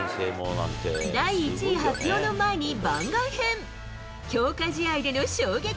第１位発表の前に番外編。